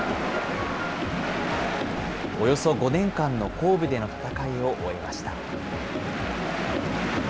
およそ５年間の神戸での戦いを終えました。